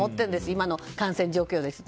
今の感染状況ですと。